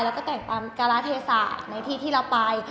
แล้วก็แต่งตามการาเทศะในที่ที่เราไป